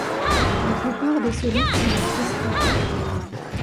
La plupart des solides sont des cristaux.